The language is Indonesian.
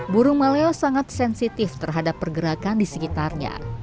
burung maleo sangat sensitif terhadap pergerakan di sekitarnya